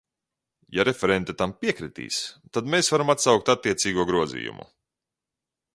Ja referente tam piekritīs, tad mēs varam atsaukt attiecīgo grozījumu.